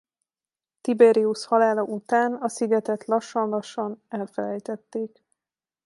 Tiberius halála után a szigetet lassan-lassan elfelejtették.